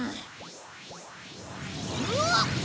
うわっ！